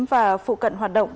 và phụ cận hoạt động